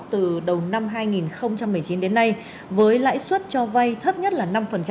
từ đầu năm hai nghìn một mươi chín đến nay với lãi suất cho vay thấp nhất là năm